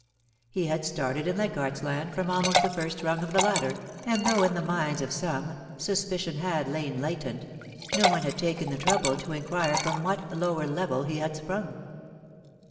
He had started in Leichardt's Land from almost the first rung of the ladder, and though in the minds of some, suspicion had lain latent, no one had taken the trouble to inquire from what lower level he had sprung.